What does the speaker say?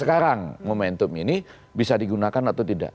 sekarang momentum ini bisa digunakan atau tidak